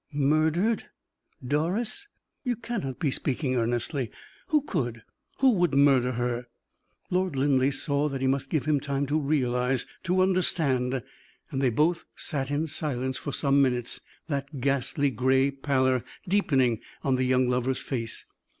"Murdered! Doris! You cannot be speaking earnestly. Who could, who would murder her?" Lord Linleigh saw that he must give him time to realize, to understand, and they both sat in silence for some minutes, that ghastly gray pallor deepening on the young lover's face.